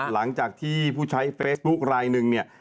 หลังจากที่ผู้ใช้เฟซบุ๊คลายหนึ่งเนี่ย